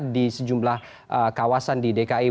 di sejumlah kawasan di dki